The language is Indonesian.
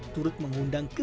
turut mengundang kegemaran